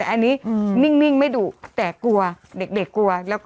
แต่อันนี้นิ่งไม่ดูแต่กลัวเด็กกลัว